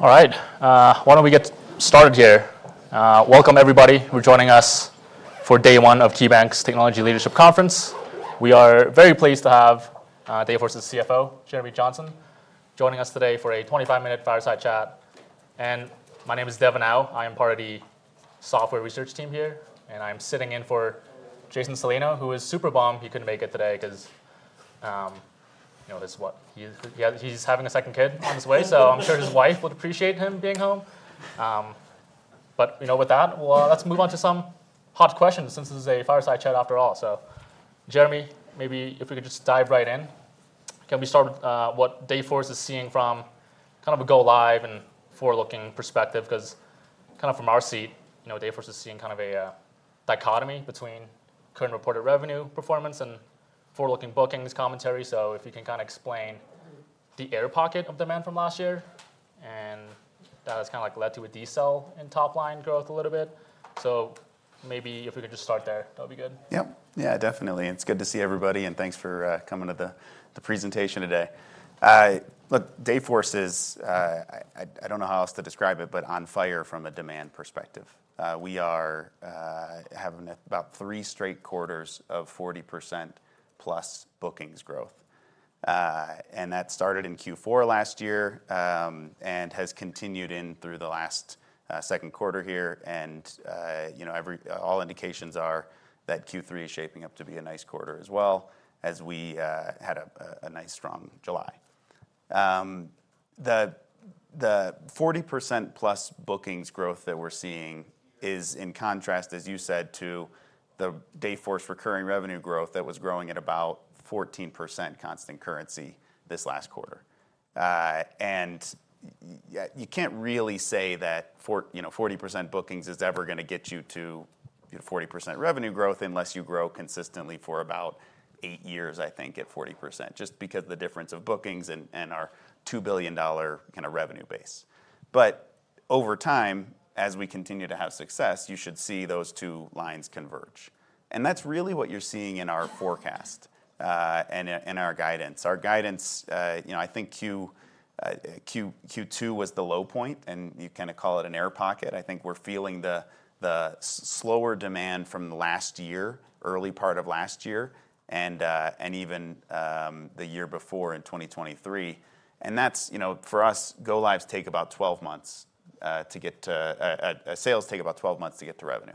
Alright, why don't we get started here? Welcome everybody who's joining us for day one of KeyBanc's Technology Leadership Conference. We are very pleased to have Dayforce's CFO, Jeremy Johnson, joining us today for a 25-minute fireside chat. My name is Devan Howe. I am part of the software research team here, and I'm sitting in for Jason Salino, who is super bummed he couldn't make it today because, you know, he's having a second kid on his way, so I'm sure his wife would appreciate him being home. With that, let's move on to some hot questions since this is a fireside chat after all. Jeremy, maybe if we could just dive right in. Can we start with what Dayforce is seeing from kind of a go-live and forward-looking perspective? Because kind of from our seat, you know, Dayforce is seeing kind of a dichotomy between current reported revenue performance and forward-looking bookings commentary. If you can kind of explain the air pocket of demand from last year that has kind of led to a decel in top line growth a little bit. Maybe if we could just start there, that would be good. Yep, yeah, definitely. It's good to see everybody, and thanks for coming to the presentation today. Look, Dayforce is, I don't know how else to describe it, but on fire from a demand perspective. We are having about three straight quarters of 40%+ bookings growth. That started in Q4 last year and has continued in through the last second quarter here. All indications are that Q3 is shaping up to be a nice quarter as well, as we had a nice strong July. The 40%+ bookings growth that we're seeing is in contrast, as you said, to the Dayforce recurring revenue growth that was growing at about 14% constant currency this last quarter. You can't really say that 40% bookings is ever going to get you to 40% revenue growth unless you grow consistently for about eight years, I think, at 40%, just because of the difference of bookings and our $2 billion kind of revenue base. Over time, as we continue to have success, you should see those two lines converge. That's really what you're seeing in our forecast and in our guidance. Our guidance, I think Q2 was the low point, and you kind of call it an air pocket. I think we're feeling the slower demand from last year, early part of last year, and even the year before in 2023. For us, go-lives take about 12 months to get to, sales take about 12 months to get to revenue.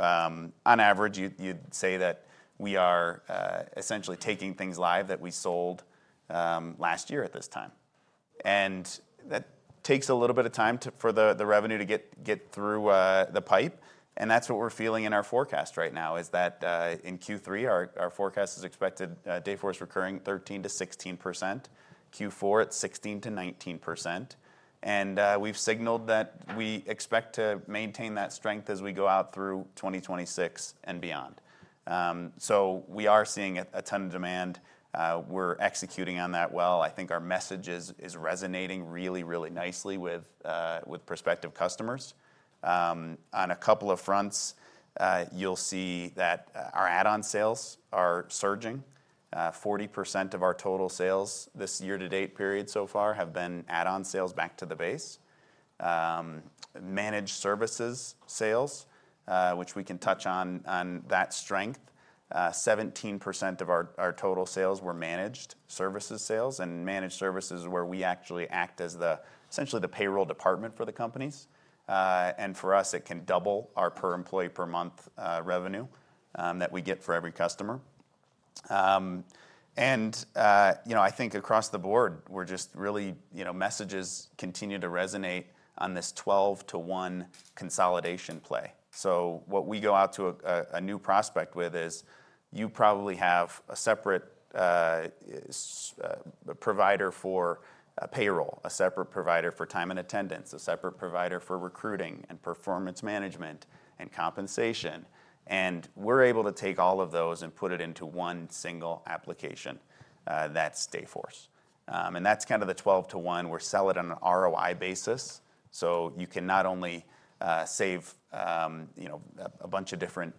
On average, you'd say that we are essentially taking things live that we sold last year at this time. That takes a little bit of time for the revenue to get through the pipe. That's what we're feeling in our forecast right now, is that in Q3, our forecast is expected Dayforce recurring 13%-16%, Q4 at 16%-19%. We've signaled that we expect to maintain that strength as we go out through 2026 and beyond. We are seeing a ton of demand. We're executing on that well. I think our message is resonating really, really nicely with prospective customers. On a couple of fronts, you'll see that our add-on sales are surging. 40% of our total sales this year-to-date period so far have been add-on sales back to the base. Managed services sales, which we can touch on that strength, 17% of our total sales were managed services sales, and managed services is where we actually act as essentially the payroll department for the companies. For us, it can double our per employee per month revenue that we get for every customer. I think across the board, we're just really, you know, messages continue to resonate on this 12 to 1 consolidation play. What we go out to a new prospect with is you probably have a separate provider for payroll, a separate provider for time and attendance, a separate provider for recruiting and performance management and compensation. We're able to take all of those and put it into one single application. That's Dayforce. That's kind of the 12 to 1 we're selling on an ROI basis. You can not only save a bunch of different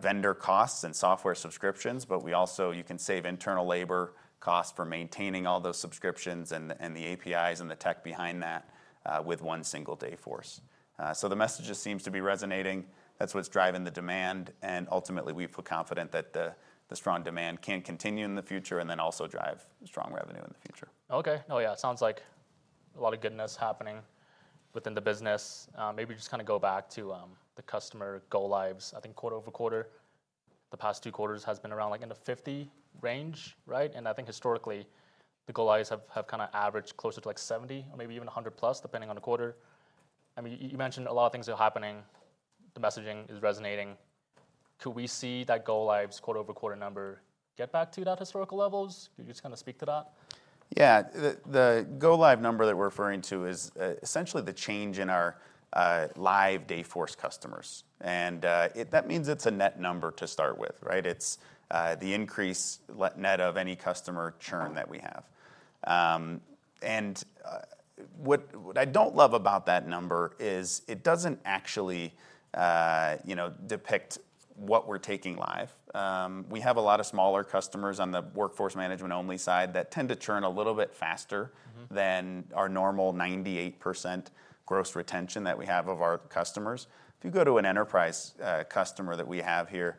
vendor costs and software subscriptions, but also, you can save internal labor costs for maintaining all those subscriptions and the APIs and the tech behind that with one single Dayforce. The message just seems to be resonating. That's what's driving the demand. Ultimately, we feel confident that the strong demand can continue in the future and then also drive strong revenue in the future. Okay. It sounds like a lot of goodness happening within the business. Maybe just kind of go back to the customer go-lives. I think quarter over quarter, the past two quarters has been around like in the 50 range, right? I think historically, the go-lives have kind of averaged closer to like 70 or maybe even 100 plus, depending on the quarter. You mentioned a lot of things are happening. The messaging is resonating. Could we see that go-lives quarter over quarter number get back to those historical levels? Could you just kind of speak to that? Yeah, the go-live number that we're referring to is essentially the change in our live Dayforce customers. That means it's a net number to start with, right? It's the increase net of any customer churn that we have. What I don't love about that number is it doesn't actually depict what we're taking live. We have a lot of smaller customers on the workforce management only side that tend to churn a little bit faster than our normal 98% gross retention that we have of our customers. If you go to an enterprise customer that we have here,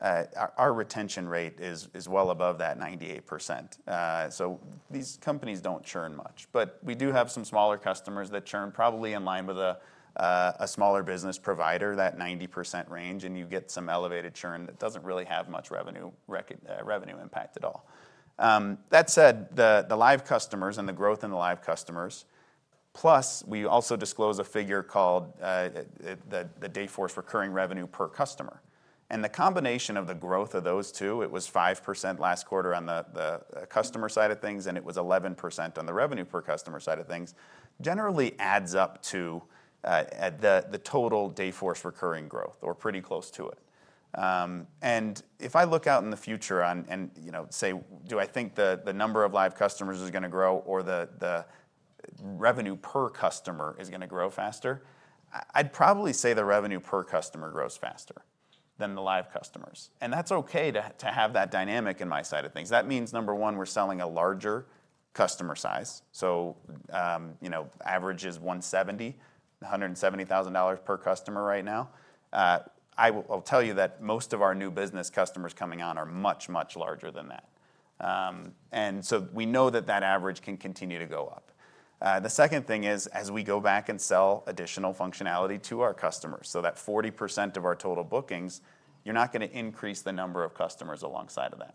our retention rate is well above that 98%. These companies don't churn much. We do have some smaller customers that churn probably in line with a smaller business provider, that 90% range, and you get some elevated churn that doesn't really have much revenue impact at all. That said, the live customers and the growth in the live customers, plus we also disclose a figure called the Dayforce recurring revenue per customer. The combination of the growth of those two, it was 5% last quarter on the customer side of things, and it was 11% on the revenue per customer side of things, generally adds up to the total Dayforce recurring growth or pretty close to it. If I look out in the future and say, do I think the number of live customers is going to grow or the revenue per customer is going to grow faster? I'd probably say the revenue per customer grows faster than the live customers. That's okay to have that dynamic in my side of things. That means, number one, we're selling a larger customer size. Average is $170,000 per customer right now. I'll tell you that most of our new business customers coming on are much, much larger than that. We know that that average can continue to go up. The second thing is, as we go back and sell additional functionality to our customers, so that 40% of our total bookings, you're not going to increase the number of customers alongside of that.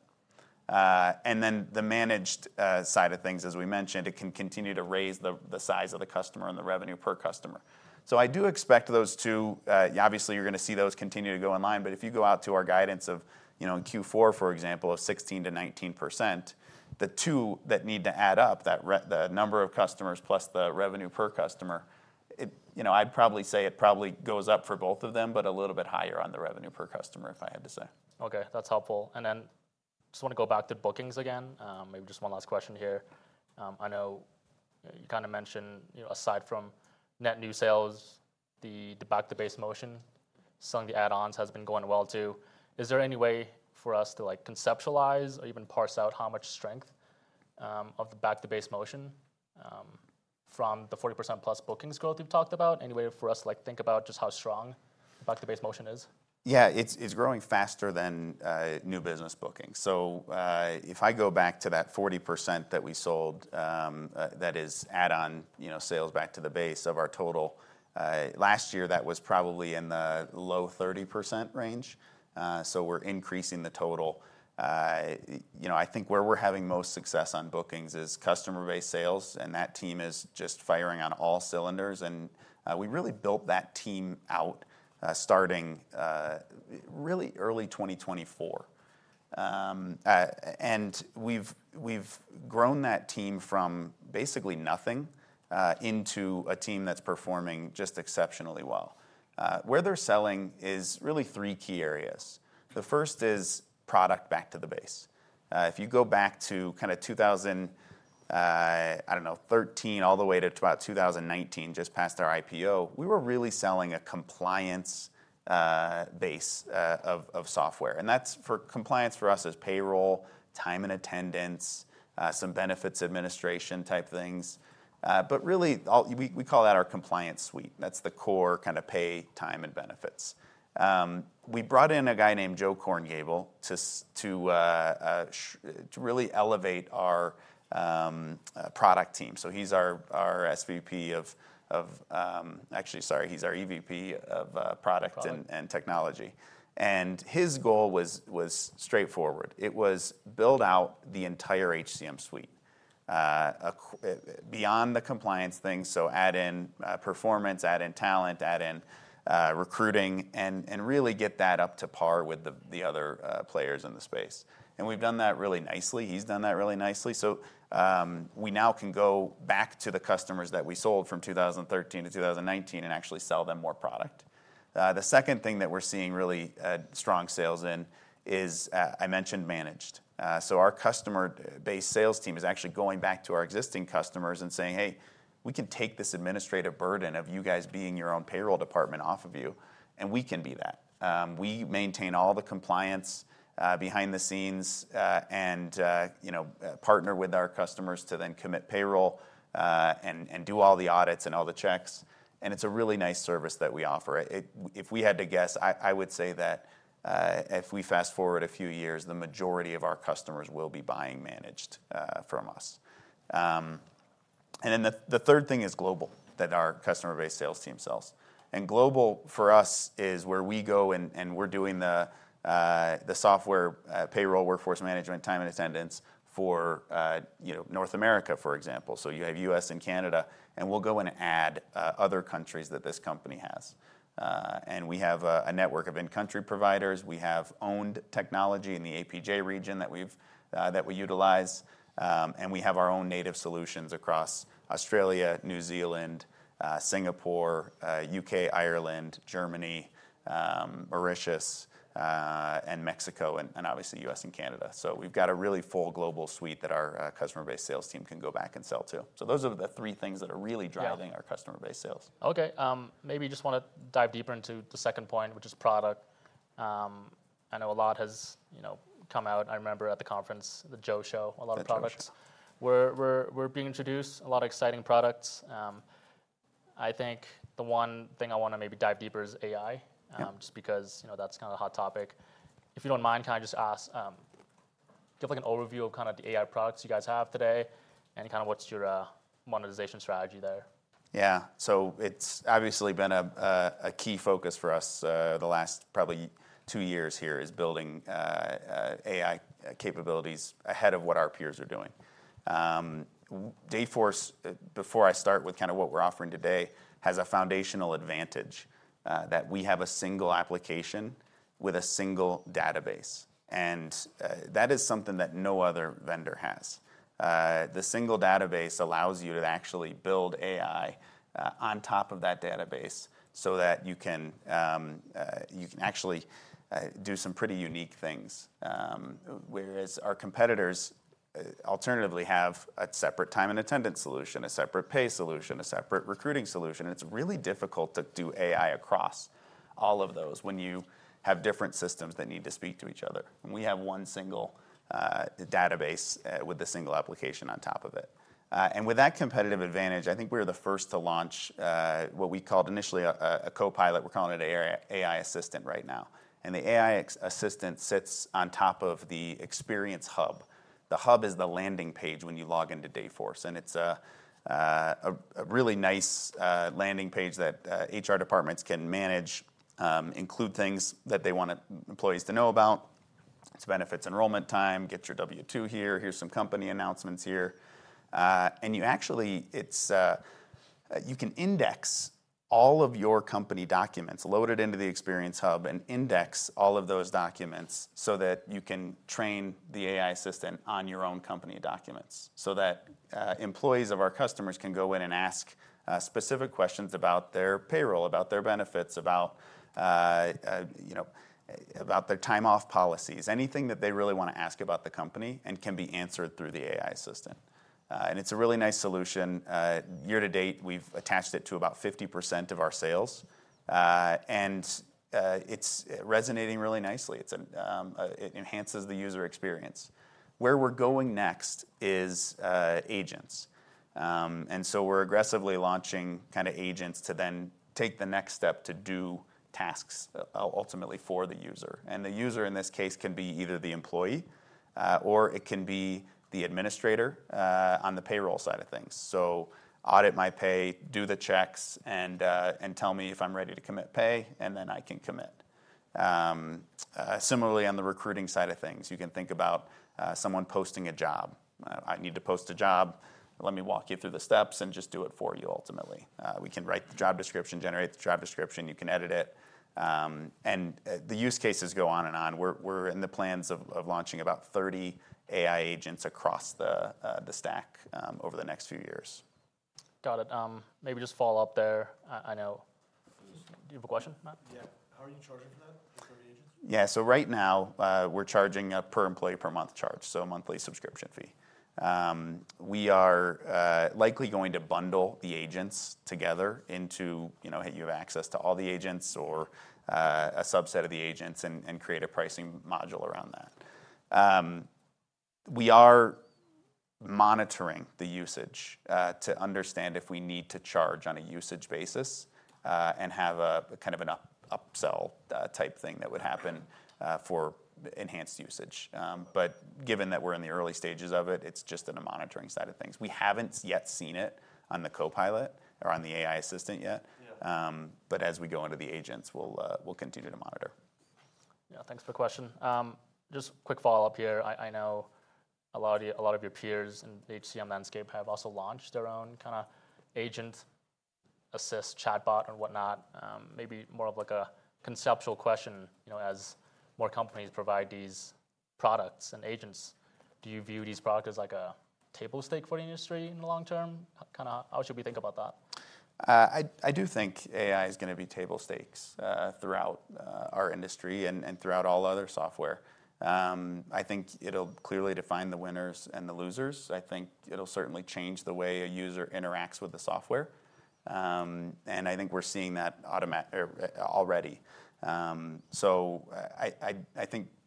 The managed side of things, as we mentioned, it can continue to raise the size of the customer and the revenue per customer. I do expect those two, obviously, you're going to see those continue to go in line. If you go out to our guidance of, you know, in Q4, for example, of 16%-19%, the two that need to add up, the number of customers plus the revenue per customer, I'd probably say it probably goes up for both of them, but a little bit higher on the revenue per customer, if I had to say. Okay, that's helpful. I just want to go back to bookings again. Maybe just one last question here. I know you kind of mentioned, aside from net new sales, the back-to-base motion, selling the add-ons has been going well too. Is there any way for us to conceptualize or even parse out how much strength of the back-to-base motion from the 40%+ bookings growth we've talked about? Any way for us to think about just how strong the back-to-base motion is? Yeah, it's growing faster than new business bookings. If I go back to that 40% that we sold, that is add-on, you know, sales back to the base of our total, last year that was probably in the low 30% range. We're increasing the total. I think where we're having most success on bookings is customer-based sales, and that team is just firing on all cylinders. We really built that team out starting really early 2024, and we've grown that team from basically nothing into a team that's performing just exceptionally well. Where they're selling is really three key areas. The first is product back to the base. If you go back to kind of 2013 all the way to about 2019, just past our IPO, we were really selling a compliance base of software. That's for compliance for us as payroll, time and attendance, some benefits administration type things. We call that our compliance suite. That's the core kind of pay, time, and benefits. We brought in a guy named Joe Korngiebel to really elevate our product team. He's our EVP of Product and Technology. His goal was straightforward. It was build out the entire HCM suite beyond the compliance things. Add in performance, add in talent, add in recruiting, and really get that up to par with the other players in the space. We've done that really nicely. He's done that really nicely. We now can go back to the customers that we sold from 2013 to 2019 and actually sell them more product. The second thing that we're seeing really strong sales in is, I mentioned, managed. Our customer-based sales team is actually going back to our existing customers and saying, "Hey, we can take this administrative burden of you guys being your own payroll department off of you, and we can do that." We maintain all the compliance behind the scenes and, you know, partner with our customers to then commit payroll and do all the audits and all the checks. It's a really nice service that we offer. If we had to guess, I would say that if we fast forward a few years, the majority of our customers will be buying managed from us. The third thing is global that our customer-based sales team sells. Global for us is where we go and we're doing the software payroll, workforce management, time, and attendance for North America, for example. You have U.S. and Canada, and we'll go and add other countries that this company has. We have a network of in-country providers. We have owned technology in the APJ region that we utilize, and we have our own native solutions across Australia, New Zealand, Singapore, U.K., Ireland, Germany, Mauritius, and Mexico, and obviously U.S. and Canada. We've got a really full global suite that our customer-based sales team can go back and sell to. Those are the three things that are really driving our customer-based sales. Okay, maybe just want to dive deeper into the second point, which is product. I know a lot has, you know, come out. I remember at the conference, the Joe Show, a lot of products were being introduced, a lot of exciting products. I think the one thing I want to maybe dive deeper is AI, just because, you know, that's kind of a hot topic. If you don't mind, can I just ask, do you have like an overview of kind of the AI products you guys have today? And kind of what's your monetization strategy there? Yeah, so it's obviously been a key focus for us the last probably two years here is building AI capabilities ahead of what our peers are doing. Dayforce, before I start with kind of what we're offering today, has a foundational advantage that we have a single application with a single database. That is something that no other vendor has. The single database allows you to actually build AI on top of that database so that you can actually do some pretty unique things. Whereas our competitors alternatively have a separate time and attendance solution, a separate pay solution, a separate recruiting solution. It's really difficult to do AI across all of those when you have different systems that need to speak to each other. We have one single database with a single application on top of it. With that competitive advantage, I think we're the first to launch what we called initially a co-pilot. We're calling it an AI assistant right now. The AI assistant sits on top of the experience hub. The hub is the landing page when you log into Dayforce. It's a really nice landing page that HR departments can manage, include things that they want employees to know about. It's benefits, enrollment time, get your W2 here, here's some company announcements here. You can index all of your company documents, load it into the experience hub and index all of those documents so that you can train the AI assistant on your own company documents. Employees of our customers can go in and ask specific questions about their payroll, about their benefits, about their time off policies, anything that they really want to ask about the company and can be answered through the AI assistant. It's a really nice solution. Year to date, we've attached it to about 50% of our sales. It's resonating really nicely. It enhances the user experience. Where we're going next is agents. We're aggressively launching kind of agents to then take the next step to do tasks ultimately for the user. The user in this case can be either the employee or it can be the administrator on the payroll side of things. Audit my pay, do the checks, and tell me if I'm ready to commit pay, and then I can commit. Similarly, on the recruiting side of things, you can think about someone posting a job. I need to post a job. Let me walk you through the steps and just do it for you ultimately. We can write the job description, generate the job description, you can edit it. The use cases go on and on. We're in the plans of launching about 30 AI agents across the stack over the next few years. Got it. Maybe just follow up there. Do you have a question, Matt? Yeah, are you charging for that? Yeah, right now we're charging a per employee per month charge, so a monthly subscription fee. We are likely going to bundle the agents together into, you know, hey, you have access to all the agents or a subset of the agents and create a pricing module around that. We are monitoring the usage to understand if we need to charge on a usage basis and have a kind of an upsell type thing that would happen for enhanced usage. Given that we're in the early stages of it, it's just on the monitoring side of things. We haven't yet seen it on the Dayforce Co-Pilot or on the Dayforce AI Assistant yet. As we go into the agents, we'll continue to monitor. Yeah, thanks for the question. Just a quick follow-up here. I know a lot of your peers in the HCM landscape have also launched their own kind of agent assist chatbot and whatnot. Maybe more of like a conceptual question, you know, as more companies provide these products and agents, do you view these products as like a table stake for the industry in the long term? Kind of how should we think about that? I do think AI is going to be table stakes throughout our industry and throughout all other software. I think it'll clearly define the winners and the losers. It'll certainly change the way a user interacts with the software. I think we're seeing that already.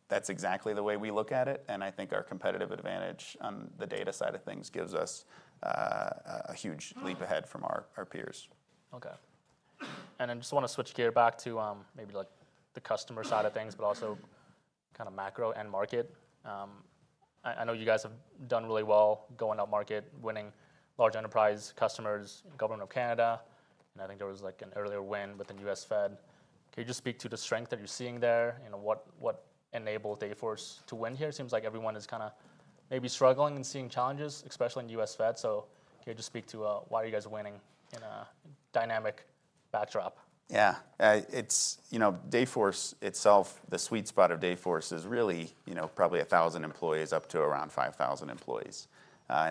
That's exactly the way we look at it. I think our competitive advantage on the data side of things gives us a huge leap ahead from our peers. Okay. I just want to switch gear back to maybe like the customer side of things, but also kind of macro and market. I know you guys have done really well going up market, winning large enterprise customers, Government of Canada. I think there was like an earlier win with the U.S. Fed. Can you just speak to the strength that you're seeing there? You know, what enabled Dayforce to win here? It seems like everyone is kind of maybe struggling and seeing challenges, especially in the U.S. Fed. Can you just speak to why are you guys winning in a dynamic backdrop? Yeah, it's, you know, Dayforce itself, the sweet spot of Dayforce is really, you know, probably a thousand employees up to around 5,000 employees.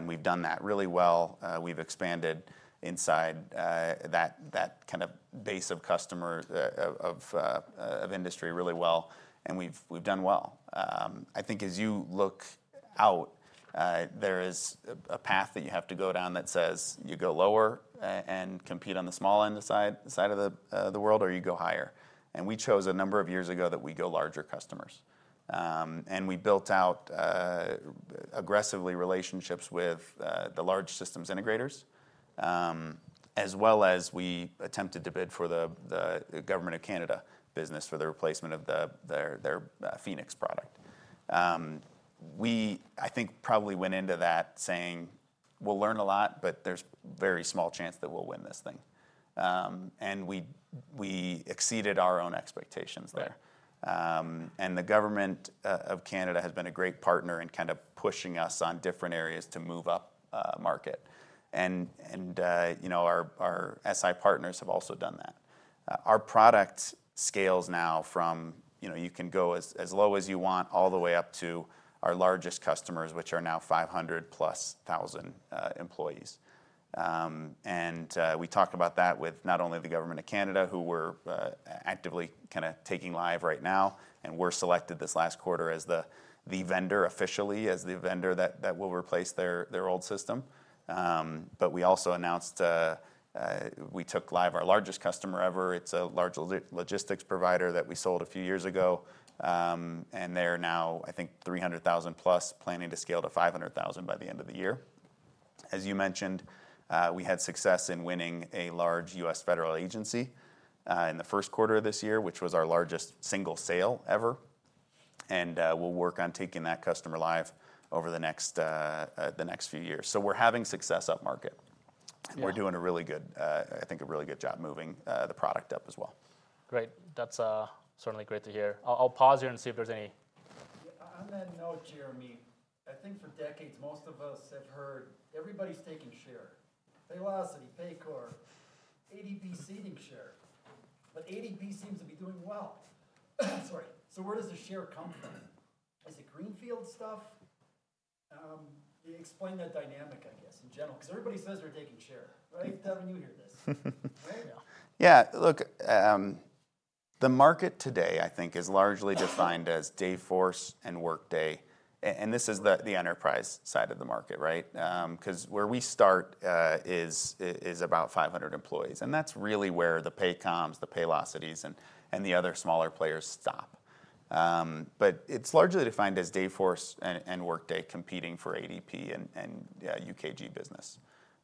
We've done that really well. We've expanded inside that kind of base of customer of industry really well. We've done well. I think as you look out, there is a path that you have to go down that says you go lower and compete on the small end of the side of the world or you go higher. We chose a number of years ago that we go larger customers. We built out aggressively relationships with the large systems integrators, as well as we attempted to bid for the Government of Canada business for the replacement of their Phoenix product. I think, probably went into that saying, we'll learn a lot, but there's a very small chance that we'll win this thing. We exceeded our own expectations there. The Government of Canada has been a great partner in kind of pushing us on different areas to move up market. Our SI partners have also done that. Our product scales now from, you know, you can go as low as you want all the way up to our largest customers, which are now 500,000 plus employees. We talked about that with not only the Government of Canada, who we're actively kind of taking live right now. We were selected this last quarter as the vendor officially, as the vendor that will replace their old system. We also announced we took live our largest customer ever. It's a large logistics provider that we sold a few years ago. They're now, I think, 300,000 plus planning to scale to 500,000 by the end of the year. As you mentioned, we had success in winning a large U.S. federal agency in the first quarter of this year, which was our largest single sale ever. We'll work on taking that customer live over the next few years. We're having success up market. We're doing a really good, I think, a really good job moving the product up as well. Great. That's certainly great to hear. I'll pause here and see if there's any. On that note, Jeremy, I think for decades most of us have heard everybody's taking share. Paylocity, Paycor, ADP seeding share. ADP seems to be doing well. Where does the share come from? Is it greenfield stuff? Explain that dynamic, I guess, in general. Everybody says they're taking share. How do you hear this? Yeah, look, the market today, I think, is largely defined as Dayforce and Workday. This is the enterprise side of the market, right? Because where we start is about 500 employees, and that's really where the Paycoms, the Paylocities, and the other smaller players stop. It is largely defined as Dayforce and Workday competing for ADP and UKG business.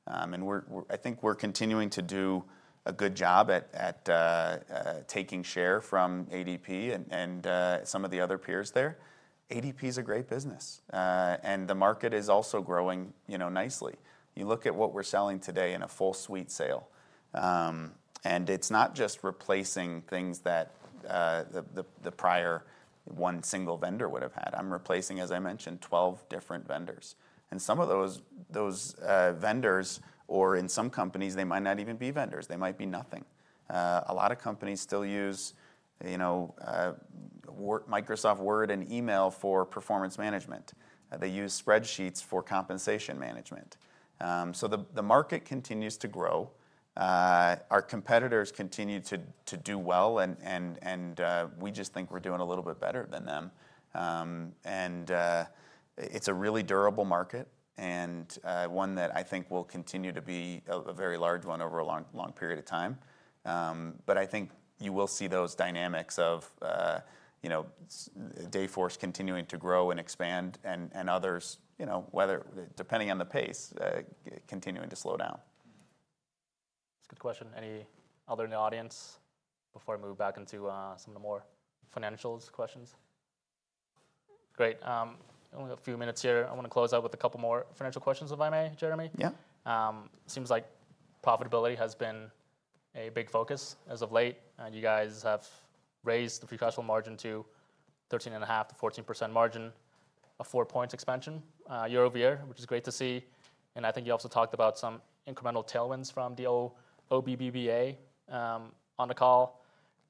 I think we're continuing to do a good job at taking share from ADP and some of the other peers there. ADP is a great business, and the market is also growing nicely. You look at what we're selling today in a full suite sale, and it's not just replacing things that the prior one single vendor would have had. I'm replacing, as I mentioned, 12 different vendors. In some of those vendors, or in some companies, they might not even be vendors. They might be nothing. A lot of companies still use Microsoft Word and email for performance management. They use spreadsheets for compensation management. The market continues to grow. Our competitors continue to do well, and we just think we're doing a little bit better than them. It's a really durable market and one that I think will continue to be a very large one over a long period of time. I think you will see those dynamics of Dayforce continuing to grow and expand and others, depending on the pace, continuing to slow down. That's a good question. Any other in the audience before I move back into some of the more financials questions? Great. Only a few minutes here. I want to close out with a couple more financial questions, if I may, Jeremy. Yeah. Profitability has been a big focus as of late. You guys have raised the free cash flow margin to 13.5% to 14% margin, a four points expansion year-over-year, which is great to see. I think you also talked about some incremental tailwinds from the OBBBA on the call.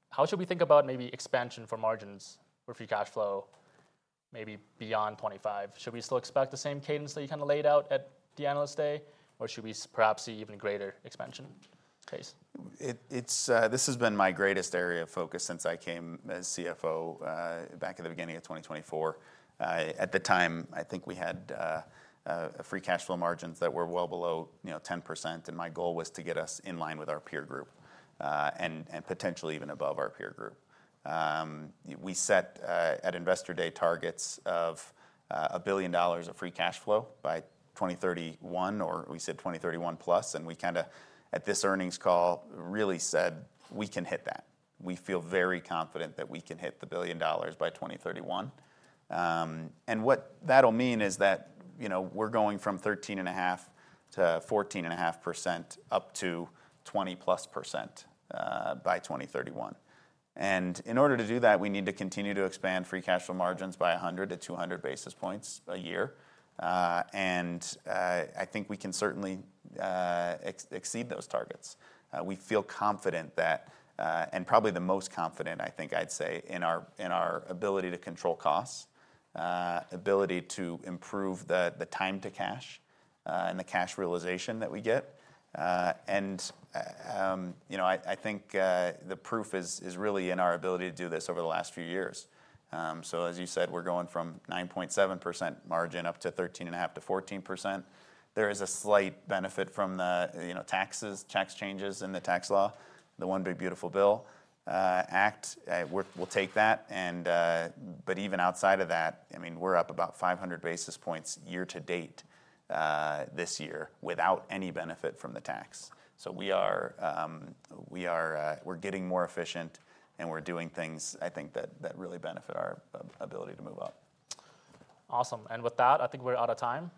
How should we think about maybe expansion for margins for free cash flow, maybe beyond 2025? Should we still expect the same cadence that you kind of laid out at the analyst day, or should we perhaps see even greater expansion case? This has been my greatest area of focus since I came as CFO back in the beginning of 2024. At the time, I think we had free cash flow margins that were well below, you know, 10%. My goal was to get us in line with our peer group and potentially even above our peer group. We set at Investor Day targets of $1 billion of free cash flow by 2031, or we said 2031 plus. At this earnings call, we really said we can hit that. We feel very confident that we can hit the $1 billion by 2031. What that'll mean is that, you know, we're going from 13.5%-14.5% up to 20% plus by 2031. In order to do that, we need to continue to expand free cash flow margins by 100-200 basis points a year. I think we can certainly exceed those targets. We feel confident that, and probably the most confident, I think I'd say, in our ability to control costs, ability to improve the time to cash, and the cash realization that we get. I think the proof is really in our ability to do this over the last few years. As you said, we're going from 9.7% margin up to 13.5% to 14%. There is a slight benefit from the, you know, taxes, tax changes in the tax law, the One Big Beautiful Bill Act. We'll take that. Even outside of that, I mean, we're up about 500 basis points year to date this year without any benefit from the tax. We are getting more efficient, and we're doing things, I think, that really benefit our ability to move up. Awesome. With that, I think we're out of time.